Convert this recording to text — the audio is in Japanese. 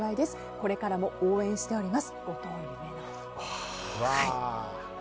これからも応援しております。